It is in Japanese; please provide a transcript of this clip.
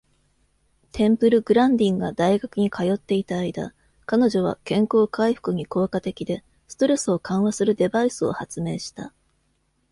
テンプル・グランディンが大学に通っていた間、彼女は、健康回復に効果的で、ストレスを緩和するデバイスを発明した。